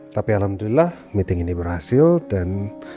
tapi alhamdulillah meeting ini berhasil dan